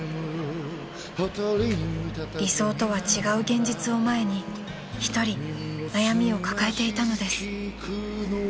［理想とは違う現実を前に一人悩みを抱えていたのです］